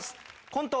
コント